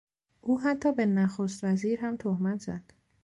او حتی به نخست وزیر هم تهمت زد.